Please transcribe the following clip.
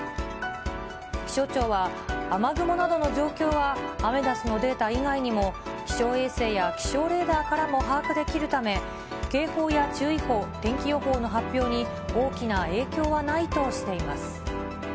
気象庁は、雨雲などの状況は、アメダスのデータ以外にも、気象衛星や気象レーダーからも把握できるため、警報や注意報、天気予報の発表に大きな影響はないとしています。